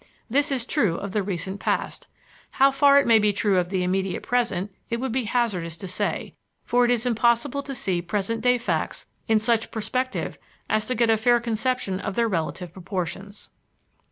This is true of the recent past. How far it may be true of the immediate present it would be hazardous to say, for it is impossible to see present day facts in such perspective as to get a fair conception of their relative proportions.